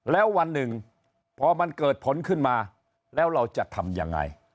แล้ววันหนึ่งพอมันเกิดผลขึ้นมาแล้วเราจะทำยังไง